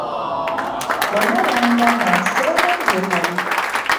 Bonna bamugamba nti tebamanyi gye kali.